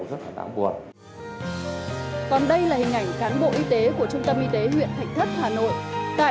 còn đây là hình ảnh cán bộ y tế của trung tâm y tế huyện thạnh thất hà nội